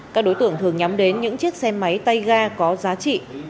các đối tượng thường nhắm đến những chiếc xe máy tay ga có giá trị